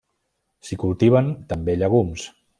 S'hi cultiven també llegums.